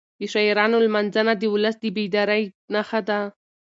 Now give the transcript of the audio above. د شاعرانو لمانځنه د ولس د بیدارۍ نښه ده.